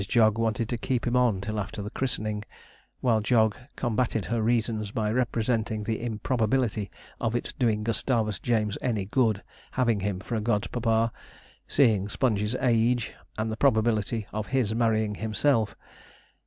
Jog wanted to keep him on till after the christening; while Jog combated her reasons by representing the improbability of its doing Gustavus James any good having him for a godpapa, seeing Sponge's age, and the probability of his marrying himself.